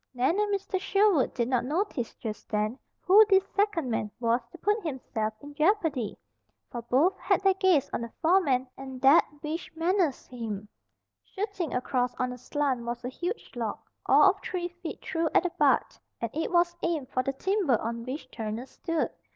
Nan and Mr. Sherwood did not notice just then who this second man was who put himself in jeopardy, for both had their gaze on the foreman and that which menaced him. Shooting across on a slant was a huge log, all of three feet through at the butt, and it was aimed for the timber on which Turner stood.